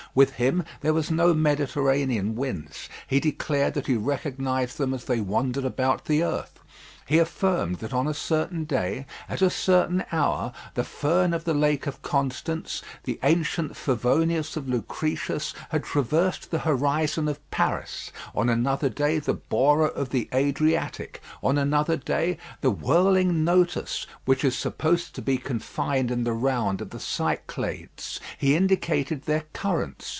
With him there were no Mediterranean winds; he declared that he recognised them as they wandered about the earth. He affirmed that on a certain day, at a certain hour, the Föhn of the Lake of Constance, the ancient Favonius of Lucretius, had traversed the horizon of Paris; on another day, the Bora of the Adriatic; on another day, the whirling Notus, which is supposed to be confined in the round of the Cyclades. He indicated their currents.